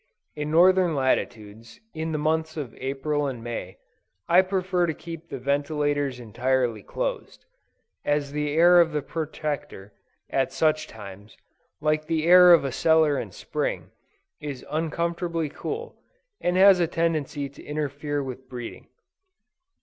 In Northern latitudes, in the months of April and May, I prefer to keep the ventilators entirely closed; as the air of the Protector, at such times, like the air of a cellar in Spring, is uncomfortably cool, and has a tendency to interfere with breeding.